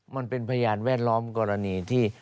มันเป็นพยานแวดล้อมกรณีที่